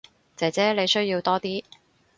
姐姐你需要多啲